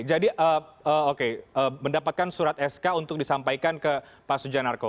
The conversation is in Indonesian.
jadi mendapatkan surat sk untuk disampaikan ke pak sujanarko